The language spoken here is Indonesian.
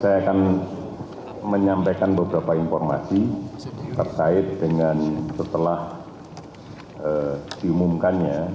saya akan menyampaikan beberapa informasi terkait dengan setelah diumumkannya